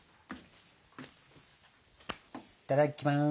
いただきます！